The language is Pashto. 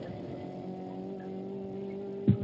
ځنګلونه د هوا د پاکوالي سبب دي.